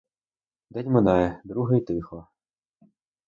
День минає, другий — тихо.